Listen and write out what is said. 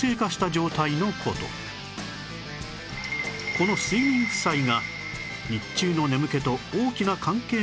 この睡眠負債が日中の眠気と大きな関係があるんだそう